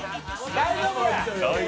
大丈夫や！